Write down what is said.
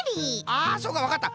あそうかわかった！